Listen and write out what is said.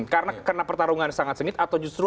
karena pertarungan sangat sengit atau justru